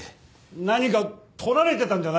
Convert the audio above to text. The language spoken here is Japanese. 何か撮られてたんじゃないだろうな？